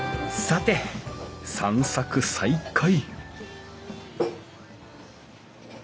さて散策再開